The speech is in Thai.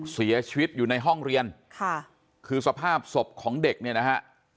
เสียชีวิตอยู่ในห้องเรียนค่ะคือสภาพศพของเด็กเนี่ยนะฮะ